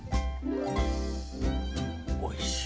おいしい。